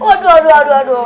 aduh aduh aduh aduh